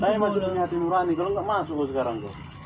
saya masih punya hati murah nih kalau gak masuk gue sekarang